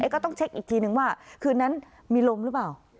ก็ต้องเช็คอีกทีนึงว่าคืนนั้นมีลมหรือเปล่า